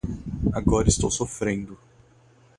Agora estou sofrendo